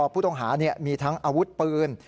ผู้ต้องหามีทั้งอาวุธปืน